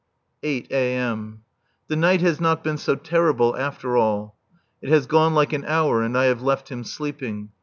[8 a.m.] The night has not been so terrible, after all. It has gone like an hour and I have left him sleeping.